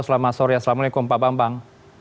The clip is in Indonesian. selamat sore assalamualaikum pak bambang